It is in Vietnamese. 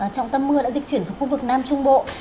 trọng tâm mưa đã dịch chuyển xuống khu vực nam trung bộ